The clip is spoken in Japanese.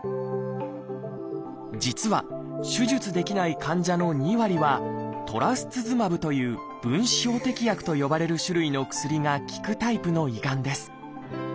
実は手術できない患者の２割は「トラスツズマブ」という「分子標的薬」と呼ばれる種類の薬が効くタイプの胃がんです。